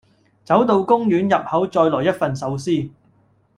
走到公園入口再來一份壽司